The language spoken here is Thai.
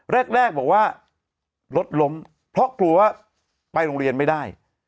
แรกบอกว่ารถล้มเพราะกลัวว่าไปโรงเรียนไม่ได้